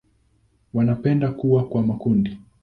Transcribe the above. Wanapenda kuwa kwa makundi.